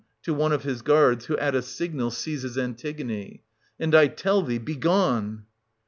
{to one of his guards, who at a signal seizes Antigone), And I tell thee — begone